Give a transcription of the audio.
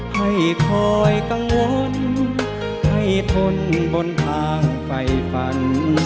ให้คอยกังวลให้ทนบนทางไฟฝัน